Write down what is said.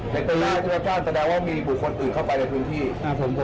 ในตัวหน้าเจ้าพระท่านแสดงว่ามีบุคคลอื่นเข้าไปในพื้นที่